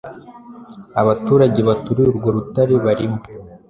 Abaturage baturiye urwo rutare barimo